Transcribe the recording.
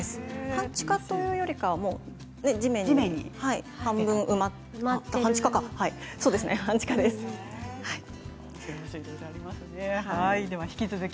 半地下というよりは地面に半分埋まってる半地下ですね。